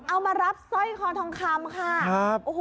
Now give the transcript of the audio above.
เอามารับสร้อยคอทองคำค่ะ